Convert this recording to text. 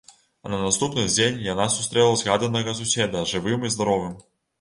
А на наступны дзень яна сустрэла згаданага суседа жывым і здаровым.